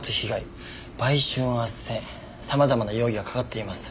様々な容疑がかかっています。